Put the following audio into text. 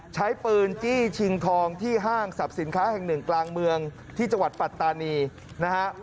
ใช้ปืนจี้ชิงทองที่ห้างสรรพสินค้าแห่งหนึ่งกลางเมืองที่จังหวัดปัตตานีนะฮะ